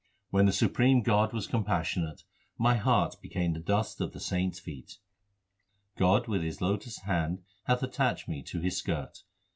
When the supreme God was compassionate, My heart became the dust of the saints feet. God with His lotus hand hath attached me to His skirt.